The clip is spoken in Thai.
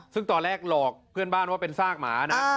ซึ่งตอนแรกหลอกเพื่อนบ้านว่าเป็นซากหมานะ